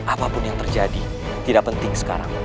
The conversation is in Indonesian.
apapun yang terjadi tidak penting sekarang